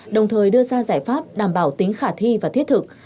đồng thời đưa ra giải pháp đảm bảo tính khả thi và thiết thực